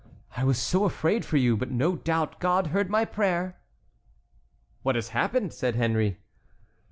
I was so afraid for you, but no doubt God heard my prayer." "What has happened?" said Henry.